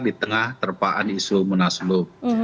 di tengah terpaan isu munaslup